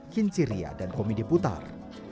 kinciria dan komedi putar